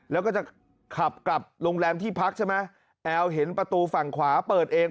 แล้วก็จะขับกลับโรงแรมที่พักใช่ไหมแอลเห็นประตูฝั่งขวาเปิดเอง